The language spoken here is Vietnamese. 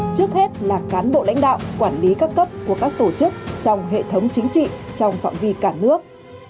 trước hết là cán bộ lãnh đạo quản lý các cấp của các tổ chức trong hệ thống chính trị trong phạm vi cả nước